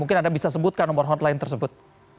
mungkin anda bisa sebutkan nomor hotline tersebut